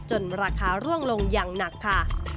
ราคาร่วงลงอย่างหนักค่ะ